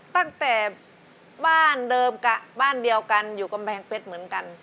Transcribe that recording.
ตั้งแต่บ้านเดิมกับบ้านเดียวกันอยู่กำแพงเพชรเหมือนกัน